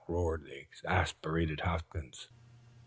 roared the exasperated Hopkins.